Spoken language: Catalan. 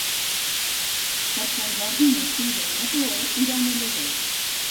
Per Sant Jordi na Sira i na Chloé iran a Lladó.